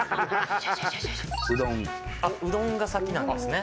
うどんが先なんですね。